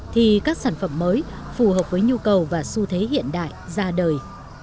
thì các sản phẩm mới phù hợp với nhu cầu và xu thế hiện đại ra đời